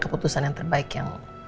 keputusan yang terbaik yang